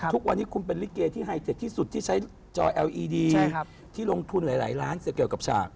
ต้องทุนหลายล้านเกี่ยวกับฉาก